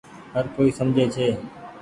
هر ڪوئي سمجهي ڇي۔